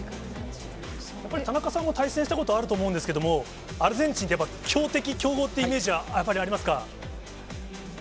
やっぱり田中さんも対戦したことあると思うんですけれども、アルゼンチンって、やっぱり強敵、強豪っていうイメージはやっぱりありますか。